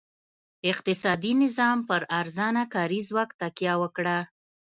اقتصادي نظام پر ارزانه کاري ځواک تکیه وکړه.